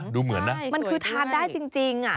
ดูเหมือนนะมันคือทานได้จริง